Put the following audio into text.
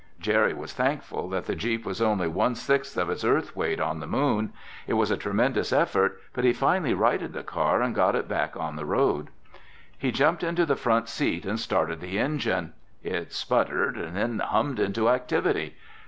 Jerry was thankful that the jeep was only one sixth of its Earth weight on the moon. It was a tremendous effort but he finally righted the car and got it back on the road. He jumped into the front seat and started the engine. It sputtered, then hummed into activity!